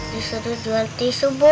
disuruh jual tisu bu